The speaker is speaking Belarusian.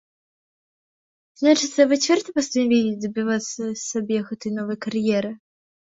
Значыцца, вы цвёрда пастанавілі дабівацца сабе гэтай новай кар'еры?